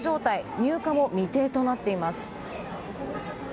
入荷も未定となっています。